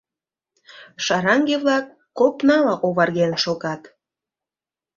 Шараҥге-влак копнала оварген шогат.